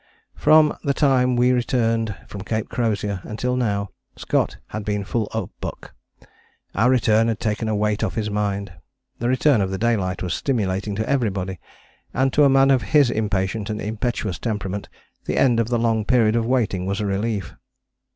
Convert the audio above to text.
From the time we returned from Cape Crozier until now Scott had been full of buck. Our return had taken a weight off his mind: the return of the daylight was stimulating to everybody: and to a man of his impatient and impetuous temperament the end of the long period of waiting was a relief.